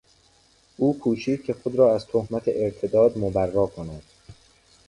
او کوشید که خود را از تهمت ارتداد مبری کند.